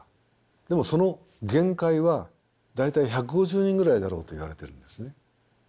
でもその限界は大体１５０人ぐらいだろうといわれているんですね。